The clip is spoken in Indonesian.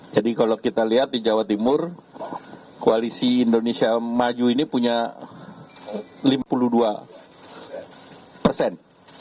jadi kalau kita lihat di jawa timur koalisi indonesia maju ini punya lima puluh dua persen